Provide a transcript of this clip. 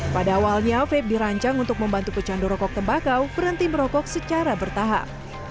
pada awalnya vape dirancang untuk membantu pecandu rokok tembakau berhenti merokok secara bertahap